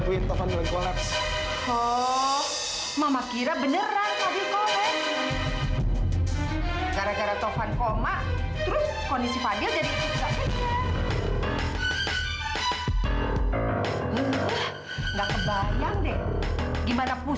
rasanya enak enggak kak